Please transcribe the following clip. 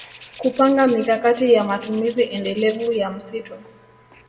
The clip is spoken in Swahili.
Kupanga mikakati ya matumizi endelevu ya msitu